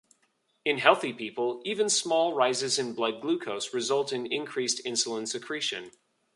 In healthy people, even small rises in blood glucose result in increased insulin secretion.